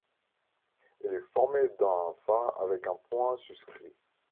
Elle est formée d’un pha avec un point souscrit.